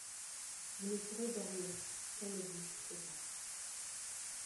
Vous ne pourrez dormir, calmez-vous, de grâce.